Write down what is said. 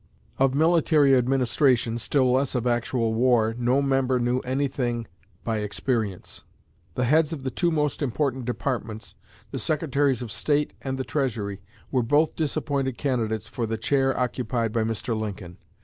Of military administration, still less of actual war, no member knew anything by experience. The heads of the two most important departments, the Secretaries of State and the Treasury, were both disappointed candidates for the chair occupied by Mr. Lincoln.